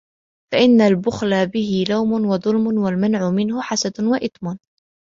فَإِنَّ الْبُخْلَ بِهِ لَوْمٌ وَظُلْمٌ ، وَالْمَنْعُ مِنْهُ حَسَدٌ وَإِثْمٌ